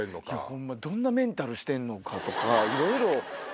ホンマどんなメンタルしてんのかとかいろいろ。